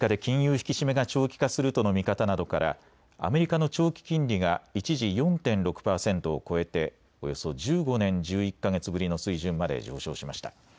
引き締めが長期化するとの見方などからアメリカの長期金利が一時４．６％を超えておよそ１５年１１か月ぶりの水準まで上昇しました。